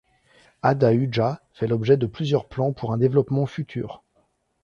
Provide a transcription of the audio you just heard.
Ada Huja fait l'objet de plusieurs plans pour un développement futur.